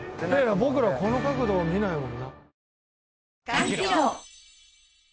僕らはこの角度見ないもんな。